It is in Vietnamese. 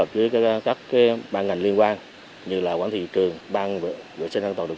thứ hai là khối hợp